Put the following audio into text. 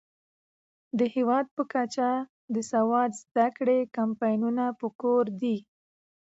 د هیواد په کچه د سواد زده کړې کمپاینونه پکار دي.